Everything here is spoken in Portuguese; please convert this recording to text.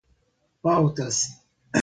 pautas